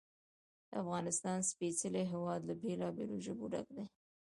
د افغانستان سپېڅلی هېواد له بېلابېلو ژبو ډک دی.